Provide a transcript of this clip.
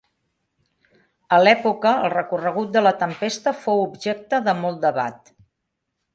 A l'època, el recorregut de la tempesta fou objecte de molt debat.